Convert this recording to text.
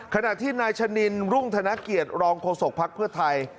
ขณะที่นายชะนินรุ่งธนเกียรติรองโฆษกภักดิ์เพื่อไทย